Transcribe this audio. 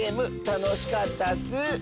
たのしかったッス。